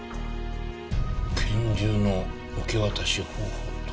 拳銃の受け渡し方法と。